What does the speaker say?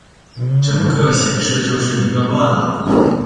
整个显示就是一个乱啊